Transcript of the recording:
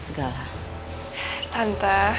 terima kasih mam